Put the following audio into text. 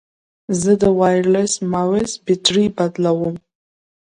زه د وایرلیس ماؤس بیټرۍ بدلوم.